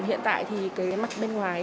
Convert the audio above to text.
hiện tại thì cái mặt bên ngoài